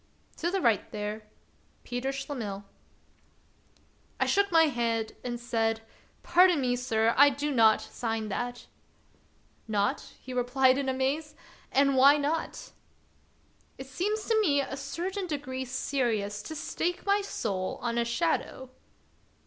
To the right there: Peter S cHLEMIHL." I shook my head and* said: " Pardon me, sir; I do not sign that." "Not.?" replied he in amaze; "and why not.?" of Peter SchlemihL 59 " It seems to me to a certain degree serious to stake my soul on a shadow."